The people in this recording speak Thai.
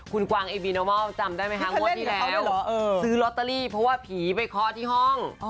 คุณกวางไอบีนามอลจำได้ไหมคะงวดที่แล้วซื้อลอตเตอรี่เพราะว่าผีไปเคาะที่ห้อง